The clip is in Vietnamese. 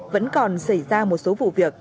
vẫn còn xảy ra một số vụ việc